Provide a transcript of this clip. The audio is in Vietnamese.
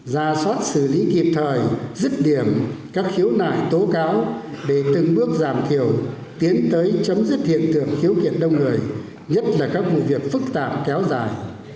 ra soát xử lý kịp thời dứt điểm các khiếu nại tố cáo để từng bước giảm thiểu tiến tới chấm dứt hiện tượng khiếu kiện đông người nhất là các vụ việc phức tạp kéo dài